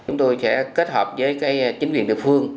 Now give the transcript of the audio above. chúng tôi sẽ kết hợp với chính quyền địa phương